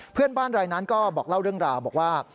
เพื่อนบ้านรายนั้นก็บอกเล่าเรื่องราวบอกว่า